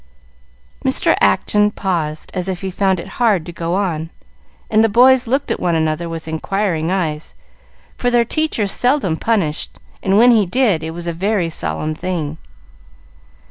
Mr. Acton paused, as if he found it hard to go on, and the boys looked at one another with inquiring eyes, for their teacher seldom punished, and when he did, it was a very solemn thing.